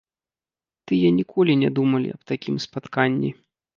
Тыя ніколі не думалі аб такім спатканні.